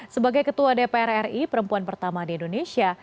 sebagai ketua dpr ri perempuan pertama di indonesia